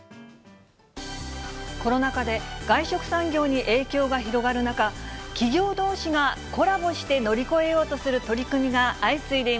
コロナ禍で外食産業に影響が広がる中、企業どうしがコラボして乗り越えようとする取り組みが相次いでい